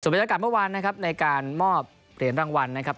บรรยากาศเมื่อวานนะครับในการมอบเหรียญรางวัลนะครับ